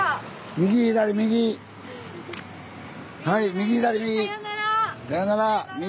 右左右。